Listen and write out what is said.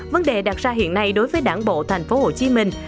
vấn đề đặt ra hiện nay đối với đảng bộ thành phố hồ chí minh